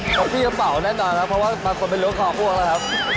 ครับปี้กระเป๋าแน่นอนนะครับเพราะว่าบางคนเป็นหลวงของพวกเราครับ